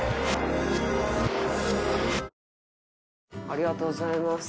ありがとうございます。